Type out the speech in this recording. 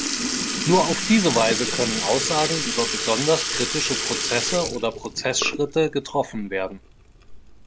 Nur auf diese Weise können Aussagen über besonders kritische Prozesse oder Prozessschritte getroffen werden.